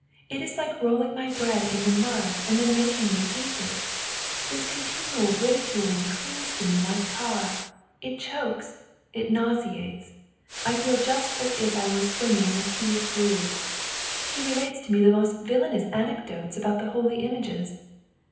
It is like rolling my bread in the mud and then making me eat it. This continual ridiculing clings to me like tar; it chokes, it nauseates. I feel just as if I were swimming in a sea of glue. He relates to me the most villainous anecdotes about the holy images.